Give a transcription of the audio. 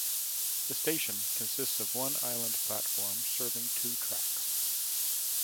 The station consists of one island platform serving two tracks.